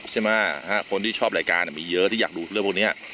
ใช่ไหมคนที่ชอบรายการมีเยอะที่อยากรู้เรื่องพวกนี้